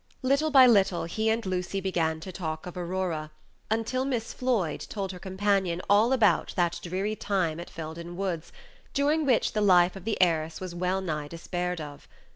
Little by little he and Lucy began to talk of Aurora, until Miss Floyd told her companion all about that dreary time at Felden Woods during which the life of the heiress was wellnigh despaired of.